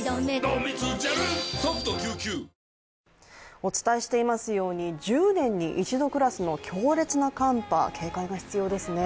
お伝えしていますように、１０年に一度クラスの強烈な寒波、警戒が必要ですね。